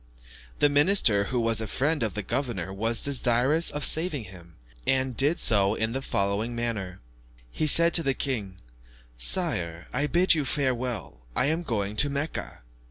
The minister, who was a friend of the governor, was desirous of saving him, and did so in the following manner. He said to the king, "Sire, I bid you farewell, I am going to Mecca."